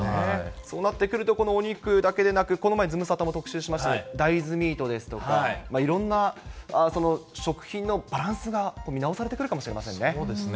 そうなってくると、お肉だけでなく、この前、ズムサタでも特集しましたけど、大豆ミートですとか、いろんな食品のバランスが見直さそうですね。